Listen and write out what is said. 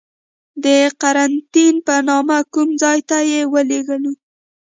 د قرنتین په نامه کوم ځای ته یې ولیږلو.